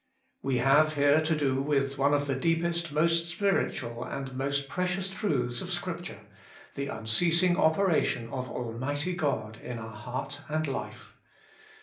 We have here to do with one of the deepest, most spiritual, and most precious truths of Scripture — the unceasing opera tion of Almighty God in our heart and life.